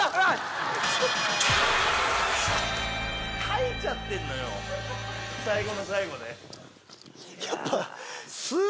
吐いちゃってんのよ最後の最後で。